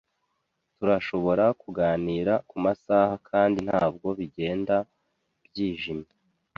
Turashobora kuganira kumasaha kandi ntabwo bigenda byijimye.